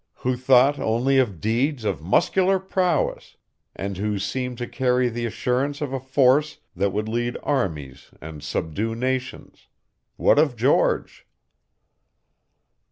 Who thought only of deeds of muscular prowess, and who seemed to carry the assurance of a force that would lead armies and subdue nations! What of George?